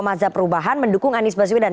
mazhab perubahan mendukung anies baswedan